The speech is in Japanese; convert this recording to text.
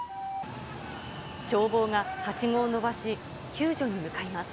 消防がはしごを伸ばし、救助に向かいます。